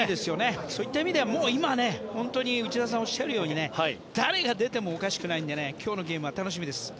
そういった意味では、もう今内田さんがおっしゃるように誰が出てもおかしくないんで今日のゲームは楽しみです。